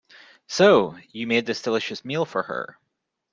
So, you made this delicious meal for her?